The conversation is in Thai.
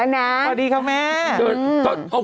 สวัสดีค่ะกับพี่ผัดนะครับ